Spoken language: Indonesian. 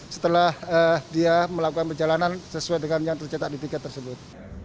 setelah dia melakukan perjalanan sesuai dengan yang tercetak di tiket tersebut